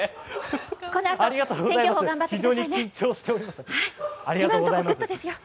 このあと、天気予報頑張ってくださいね。